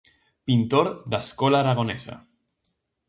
Pintor da escola aragonesa.